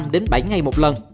năm đến bảy ngày một lần